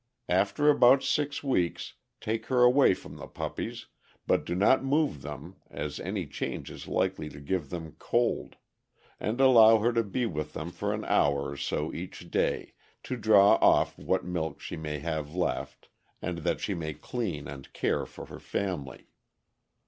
After about six weeks take her away from the puppies, but do not move them, as any change is likely to give them cold; and allow her to be with them for an hour or so each day, to draw off what milk she may have left, and that she may clean and care for her family.